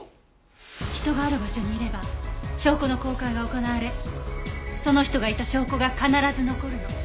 人がある場所にいれば証拠の交換が行われその人がいた証拠が必ず残るの。